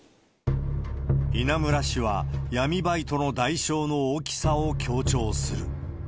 稲村氏は闇バイトの代償の大きさを強調する。